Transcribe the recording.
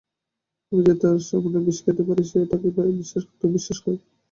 আমি যে তোর সামনে বিষ খেতে পারি এটা কি তোর বিশ্বাস হয়?